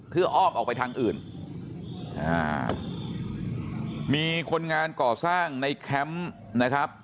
เพื่ออ้อมออกไปทางอื่นอ่ามีคนงานก่อสร้างในแคมป์นะครับ